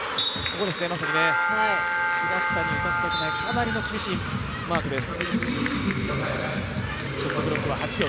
平下に打たせたくないかなりの厳しいマークです。